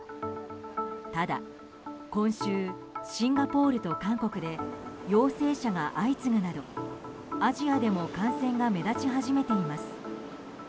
ただ今週、シンガポールと韓国で陽性者が相次ぐなどアジアでも感染が目立ち始めています。